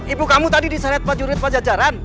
ibu kamu tadi diseret pak jurit pajajaran